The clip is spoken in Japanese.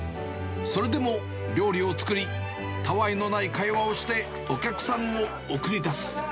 それでも料理を作り、たわいのない会話をして、お客さんを送り出す。